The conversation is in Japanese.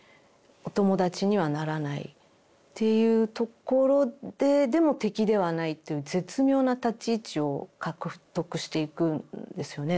お友達にはならないっていうところででも敵ではないという絶妙な立ち位置を獲得していくんですよね